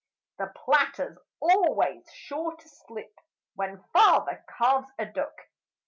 The platter's always sure to slip When Father carves a duck.